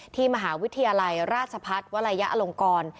ที่มหาวิทยาลัยราชพัฒน์วลัยอลงกร